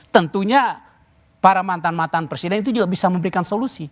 tentunya para mantan mantan presiden itu juga bisa memberikan solusi